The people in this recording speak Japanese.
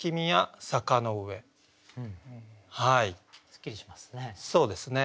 すっきりしますね。